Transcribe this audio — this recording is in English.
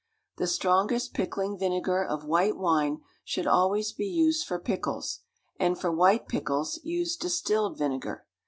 The strongest pickling vinegar of white wine should always be used for pickles; and for white pickles, use distilled vinegar.